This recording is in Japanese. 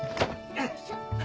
よいしょ。